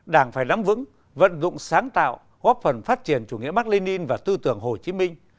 đảng phải nắm vững vận dụng sáng tạo góp phần phát triển chủ nghĩa mạc lê ninh và tư tưởng hồ chí minh